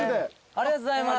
ありがとうございます。